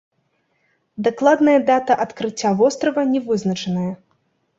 Дакладная дата адкрыцця вострава не вызначаная.